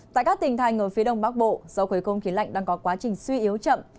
tại các tỉnh thành ở phía đông bắc bộ do khối không khí lạnh đang có quá trình suy yếu chậm